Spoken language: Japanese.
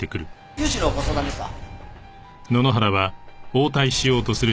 融資のご相談ですか？